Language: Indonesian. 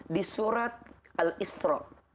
di surat al isra